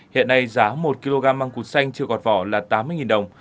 hiện nay giá một kg măng cụt xanh chưa gọt vỏ là tám mươi đồng